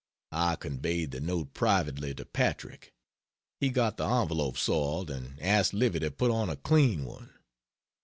I conveyed the note privately to Patrick; he got the envelope soiled, and asked Livy to put on a clean one.